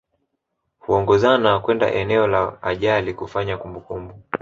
Huongozana kwenda eneo la ajali kufanya kumbukumbu